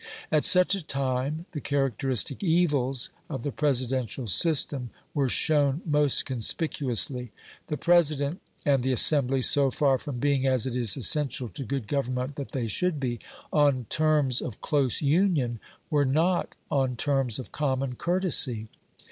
At such a time the characteristic evils of the Presidential system were shown most conspicuously. The President and the Assembly, so far from being (as it is essential to good government that they should be) on terms of close union, were not on terms of common courtesy.